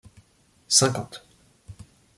cinquante